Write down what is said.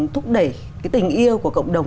thúc đẩy cái tình yêu của cộng đồng